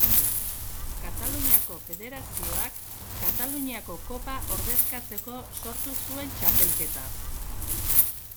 Kataluniako Federazioak Kataluniako Kopa ordezkatzeko sortu zuen txapelketa.